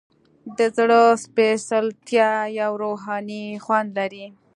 د زړه سپیڅلتیا یو روحاني خوند لري.